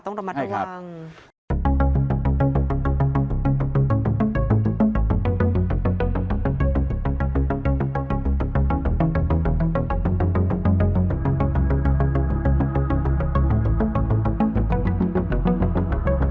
ต้องระมัดระวัง